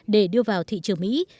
để đưa vào thị trường mỹ